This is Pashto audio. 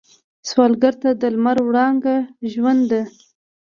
سوالګر ته د لمر وړانګه ژوند ده